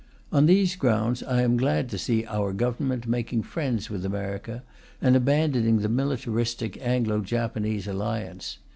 On these grounds, I am glad to see our Government making friends with America and abandoning the militaristic Anglo Japanese Alliance.